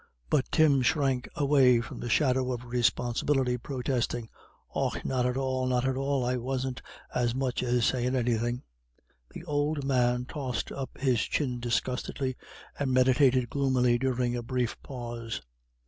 But Tim shrank away from the shadow of responsibility, protesting, "Och, not at all, not at all. I wasn't as much as sayin' anythin'." The old man tossed up his chin disgustedly, and meditated gloomily during a brief pause.